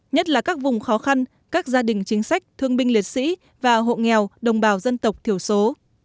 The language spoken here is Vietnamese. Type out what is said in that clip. nhất là các vùng khó khăn các gia đình chính sách thương binh liệt sĩ và hộ nghèo đồng bào dân tộc thiểu số